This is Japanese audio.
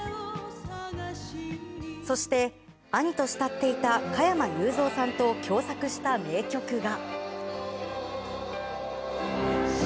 そして、兄と慕っていた加山雄三さんと共作した名曲が。